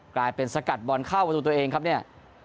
กลายเป็นสกัดบอลเข้าประตูตัวเองครับเนี่ย